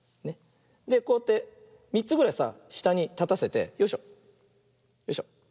でこうやって３つぐらいさしたにたたせてよいしょよいしょ。